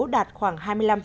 đạt khoảng hai mươi năm